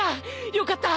よかった。